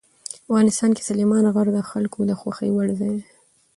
افغانستان کې سلیمان غر د خلکو د خوښې وړ ځای دی.